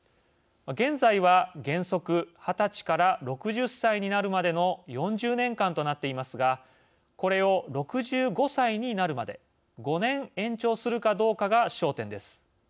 現在は原則２０歳から６０歳になるまでの４０年間となっていますがこれを６５歳になるまで５年延長するかどうかが焦点です。